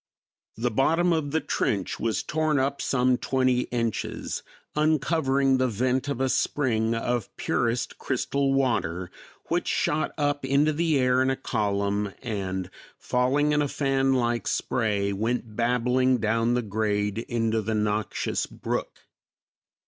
The bottom of the trench was torn up some twenty inches, uncovering the vent of a spring of purest crystal water, which shot up into the air in a column and, falling in a fanlike spray, went babbling down the grade into the noxious brook.